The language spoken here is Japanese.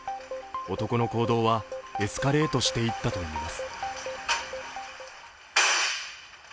男の行動はエスカレートしていったといいます。